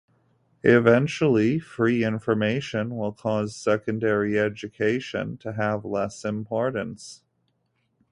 Eventually, free information will cause secondary education to have less importance.